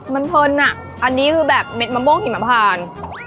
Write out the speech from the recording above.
มันเพลินอ่ะอันนี้คือแบบเด็ดมะม่วงหิมพาน